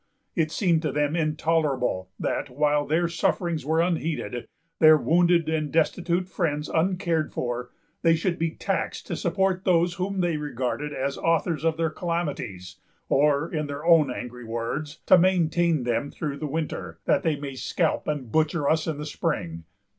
It seemed to them intolerable, that, while their sufferings were unheeded, and their wounded and destitute friends uncared for, they should be taxed to support those whom they regarded as authors of their calamities, or, in their own angry words, "to maintain them through the winter, that they may scalp and butcher us in the spring."